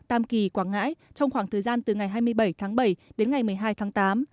tam kỳ quảng ngãi trong khoảng thời gian từ ngày hai mươi bảy tháng bảy đến ngày một mươi hai tháng tám